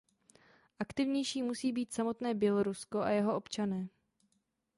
Aktivnější musí být samotné Bělorusko a jeho občané.